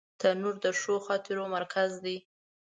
تنور د ښو خاطرو مرکز دی